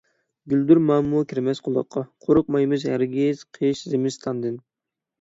گۈلدۈرمامىمۇ كىرمەس قۇلاققا، قورقمايمىز ھەرگىز قىش - زىمىستاندىن.